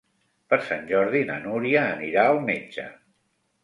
Per Sant Jordi na Núria anirà al metge.